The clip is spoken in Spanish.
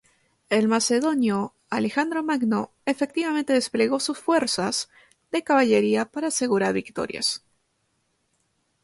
El Macedonio Alejandro Magno efectivamente desplegó sus fuerzas de caballería para asegurar victorias.